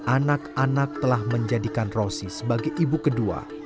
anak anak telah menjadikan rosi sebagai ibu kedua